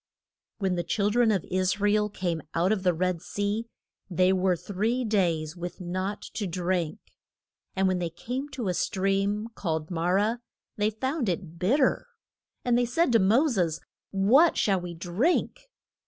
When the chil dren of Is ra el came out of the Red Sea they were three days with naught to drink. And when they came to a stream, called Ma rah, they found it bitter. And they said to Mo ses, What shall we drink?